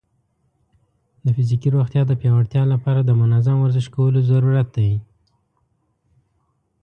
د فزیکي روغتیا د پیاوړتیا لپاره د منظم ورزش کولو ضرورت دی.